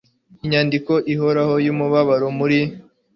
Inyandiko ihoraho yumubabaro muri